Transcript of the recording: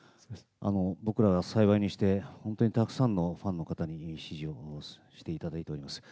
僕らは幸いにして、本当にたくさんのファンの方に支持をしていただいております。